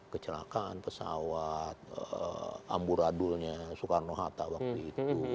kecelakaan pesawat amburadulnya soekarno hatta waktu itu